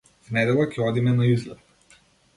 В недела ќе одиме на излет.